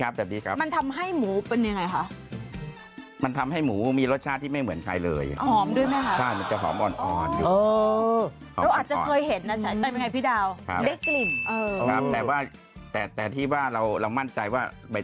เพราะว่ามีเด็กคนหนึ่งอายุประมาณ๖กว่า